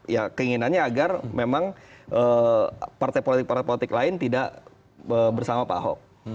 ya keinginannya agar memang partai politik partai politik lain tidak bersama pak ahok